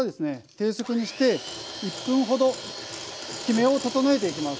低速にして１分ほどきめを整えていきます。